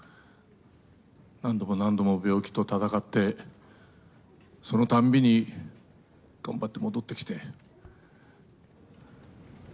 何度も何度も病気と闘って、そのたんびに頑張って戻ってきて。